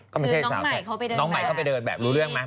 คือน้องใหม่เขาไปเดินแบบน้องใหม่เขาไปเดินแบบรู้เรื่องไหม